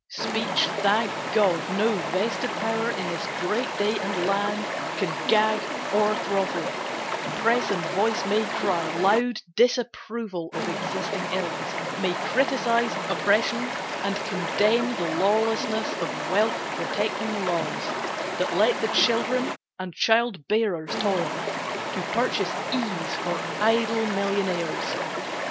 Speech, thank God, No vested power in this great day and land Can gag or throttle; Press and voice may cry Loud disapproval of existing ills, May criticise oppression and condemn The lawlessness of wealth protecting laws That let the children and child bearers toil To purchase ease for idle millionaires.